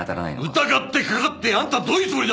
疑ってかかってあんたどういうつもりだ！